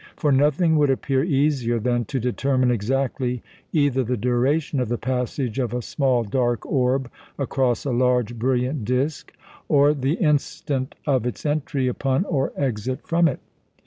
For nothing would appear easier than to determine exactly either the duration of the passage of a small, dark orb across a large brilliant disc, or the instant of its entry upon or exit from it.